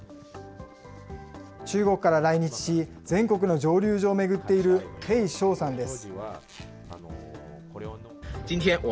中国から来日し、全国の蒸留所を巡っている鄭冲さんです。